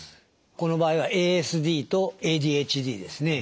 この場合はＡＳＤとＡＤＨＤですねはい。